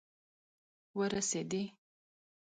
ورسیدي